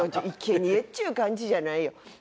生贄っちゅう感じじゃないよ。